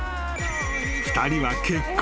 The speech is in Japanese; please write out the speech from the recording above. ［２人は結婚］